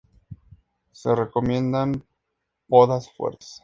Se recomiendan podas fuertes.